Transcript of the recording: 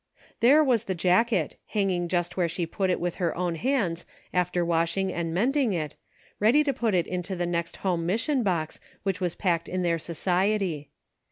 There was the jacket, hanging just where she put it with her own hands after washing and mend ing it, ready to put into the next home mission box which was packed in their society.